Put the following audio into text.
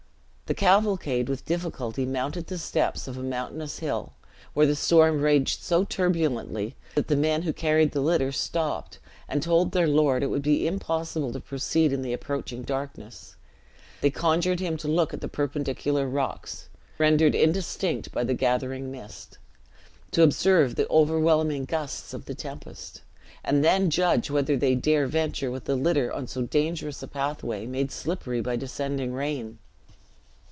The cavalcade with difficulty mounted the steps of a mountainous hill, where the storm raged so turbulently that the men who carried the litter stopped, and told their lord it would be impossible to proceed in the approaching darkness; they conjured him to look at the perpendicular rocks, rendered indistinct by the gathering mist; to observe the overwhelming gusts of the tempest; and then judge whether they dare venture with the litter on so dangerous a pathway, made slippery by descending rain!